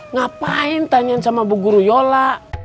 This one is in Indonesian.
ngapain tanyain sama bu yola